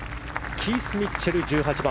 キース・ミッチェル、１８番。